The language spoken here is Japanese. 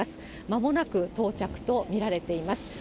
まもなく到着と見られています。